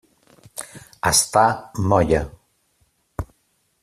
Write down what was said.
Està molla.